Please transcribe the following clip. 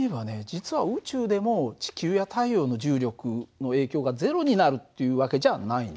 実は宇宙でも地球や太陽の重力の影響が０になるっていう訳じゃないんだよね。